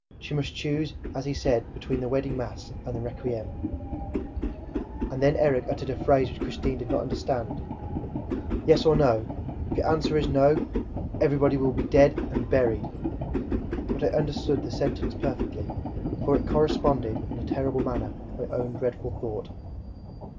She must choose, as he said, between the wedding mass and the requiem. And Erik had then uttered a phrase which Christine did not quite understand: "Yes or no! If your answer is no, everybody will be dead AND BURIED!" But I understood the sentence perfectly, for it corresponded in a terrible manner with my own dreadful thought.